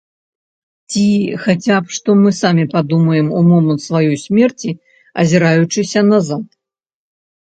Ці хаця б што мы самі падумаем у момант сваёй смерці, азіраючыся назад?